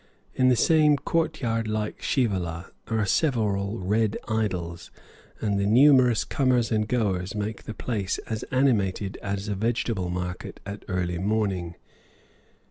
In the same court yard like shivala are several red idols, and the numerous comers and goers make the place as animated as a vegetable market at early morning.